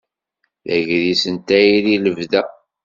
D agris n tayri i lebda.